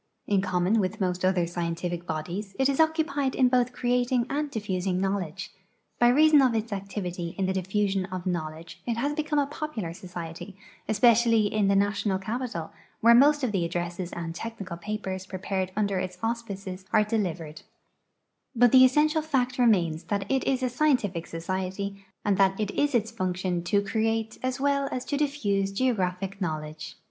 In common with most other scientific bodies, it is occupied in both creating and diffusing knowledge. B}' reason of its activity in the diffusion of knowledge it has become a popular societ}% especially in the national capital, where most of the addresses and technical papers prepared under its auspices are delivered ; but the essential fact remains that it is a scientific society and that it is its function to create as well as to diffuse geographic knowledge.